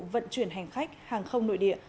vận chuyển hành khách hàng không nội địa